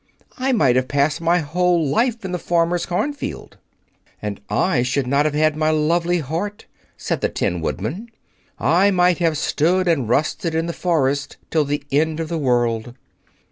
"I might have passed my whole life in the farmer's cornfield." "And I should not have had my lovely heart," said the Tin Woodman. "I might have stood and rusted in the forest till the end of the world."